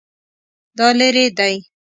دا لیرې دی؟